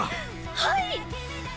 はい！